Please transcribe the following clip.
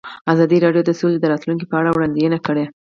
ازادي راډیو د سوله د راتلونکې په اړه وړاندوینې کړې.